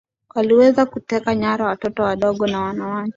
Waliweza kuteka nyara watoto wadogo na wanawake